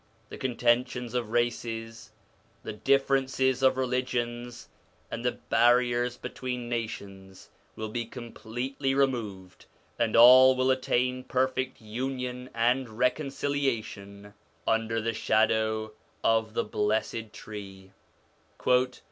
The contentions of races, the differences of religions, and the barriers between nations will be completely removed, and all will attain perfect union and recon ciliation under the shadow of the Blessed Tree.